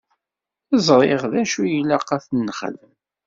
Ẓriɣ d acu ilaq ad t-nexdem.